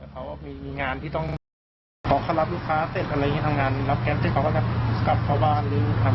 ใครก็วางพึงหยุ่งอะไรมัน๕๖โมง